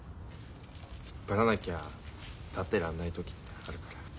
突っ張らなきゃ立ってらんない時ってあるから。